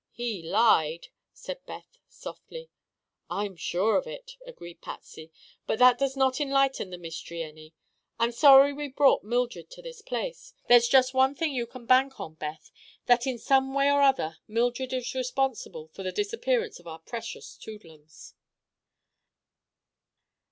"He lied," said Beth, softly. "I am sure of it," agreed Patsy; "but that does not enlighten the mystery any. I'm sorry we brought Mildred to this place. There's just one thing you can bank on, Beth: that in some way or other Mildred is responsible for the disappearance of our precious Toodlums."